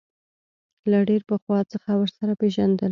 له ډېر پخوا څخه ورسره پېژندل.